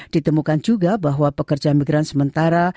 ditemukan juga bahwa pekerja migran sementara